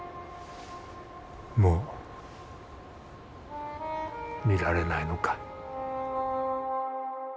もう見られないのか。